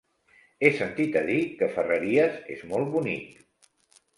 He sentit a dir que Ferreries és molt bonic.